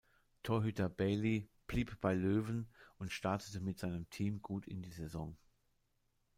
Torhüter Bailly blieb bei Löwen und startete mit seinem Team gut in die Saison.